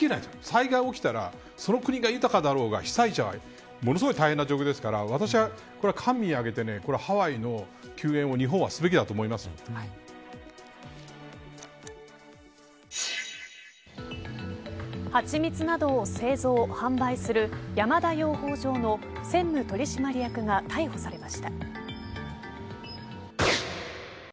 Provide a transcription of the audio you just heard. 災害が起きたらその国が豊かだろうが被災者はものすごい大変な状況ですから私はこれは官民挙げてハワイの救援を蜂蜜などを製造、販売する山田養蜂場の専務取締役が逮捕されました。